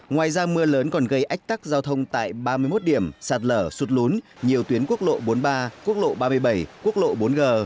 ngoài ra mưa lớn còn gây ách tắc giao thông tại ba mươi một điểm sạt lở sụt lún nhiều tuyến quốc lộ bốn mươi ba quốc lộ ba mươi bảy quốc lộ bốn g